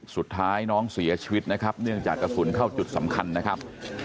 สุดท้ายน้องเสียชีวิตนะครับเนื่องจากกระสุนเข้าจุดสำคัญนะครับ